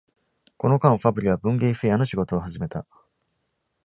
この間、Fabbri は「文芸フェア」の仕事を始めた。